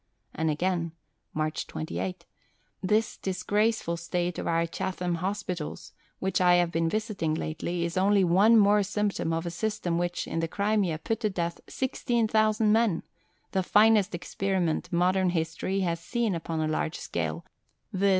And again (March 28): "This disgraceful state of our Chatham Hospitals, which I have been visiting lately, is only one more symptom of a system which, in the Crimea, put to death 16,000 men the finest experiment modern history has seen upon a large scale, viz.